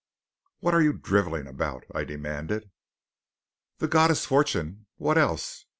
"What are you drivelling about?" I demanded. "The goddess fortune what else?